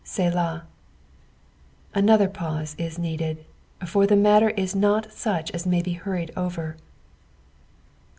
'> 8elah. " Another pause is needed, for the matter is not sucb as may be hurried over.